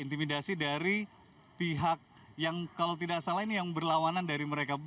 intimidasi dari pihak yang kalau tidak salah ini yang berlawanan dari mereka